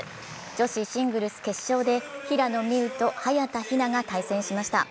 女子シングルス決勝で平野美宇と早田ひなが対戦しました。